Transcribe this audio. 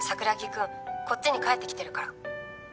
こっちに帰ってきてるから」